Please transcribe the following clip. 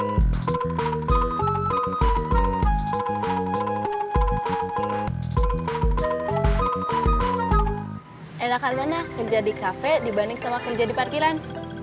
enakan mana kerja di kafe dibanding sama kerja di parkiran